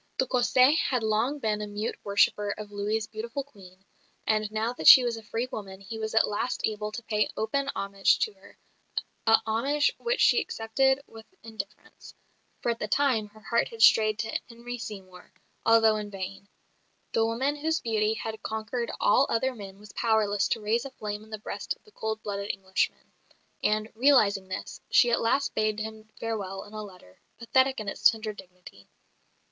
De Cassé had long been a mute worshipper of Louis' beautiful "Queen," and now that she was a free woman he was at last able to pay open homage to her, a homage which she accepted with indifference, for at the time her heart had strayed to Henry Seymour, although in vain. The woman whose beauty had conquered all other men was powerless to raise a flame in the breast of the cold blooded Englishman; and, realising this, she at last bade him farewell in a letter, pathetic in its tender dignity.